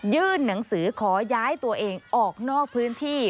หนังสือขอย้ายตัวเองออกนอกพื้นที่